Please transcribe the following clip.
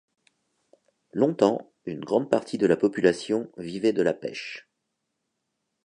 Longtemps, une grande partie de la population vivait de la pêche.